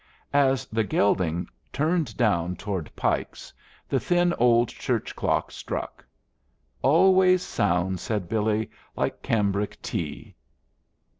As the gelding turned down toward Pike's, the thin old church clock struck. "Always sounds," said Billy, "like cambric tea."